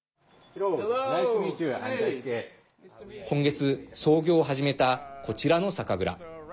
今月、操業を始めたこちらの酒蔵。